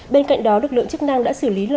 bên cạnh đó lực lượng chức năng đã xử lý lừa